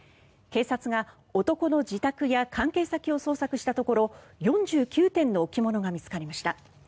警察が男の自宅や関係先を捜索したところ４９点の置物が見つかりました。